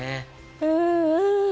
うんうん。